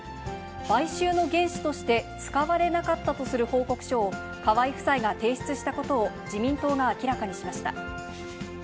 買収の原資として使われなかったとする報告書を河井夫妻が提出したことを、自民党が明らかにしました。